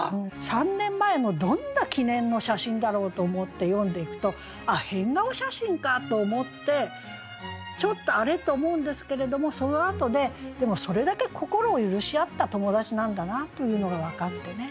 三年前のどんな記念の写真だろうと思って読んでいくとあっ変顔写真かと思ってちょっと「あれ？」と思うんですけれどもそのあとででもそれだけ心を許し合った友達なんだなというのが分かってね。